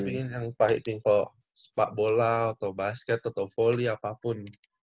tapi yang pahitin kalau sepak bola atau basket atau volley apapun